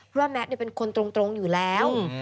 เพราะว่าแมทเป็นคนตรงอยู่แล้ว